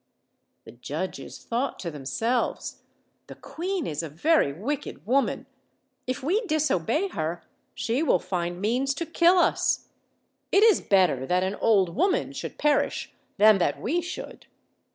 The judges thought to themselves, 'The queen is a very wicked woman; if we disobey her she will find means to kill us. It is better that an old woman should perish than that we should."